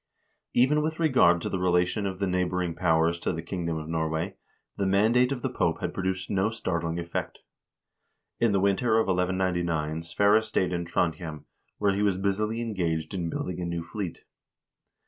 Even with regard to the relation of the neighboring powers to the kingdom of Norway the mandate of the Pope had produced no startling effect. In the winter of 1199 Sverre stayed in Trondhjem, where he was busily engaged in building a new fleet.